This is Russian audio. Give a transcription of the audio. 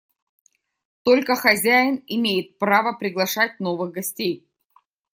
Только хозяин имеет право приглашать новых гостей.